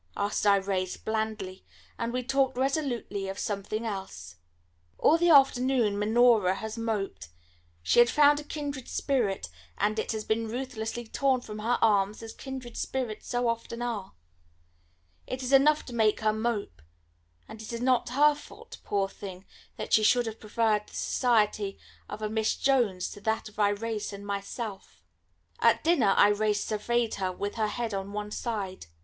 asked Irais blandly; and we talked resolutely of something else. All the afternoon Minora has moped. She had found a kindred spirit, and it has been ruthlessly torn from her arms as kindred spirits so often are. It is enough to make her mope, and it is not her fault, poor thing, that she should have preferred the society of a Miss Jones to that of Irais and myself. At dinner Irais surveyed her with her head on one side.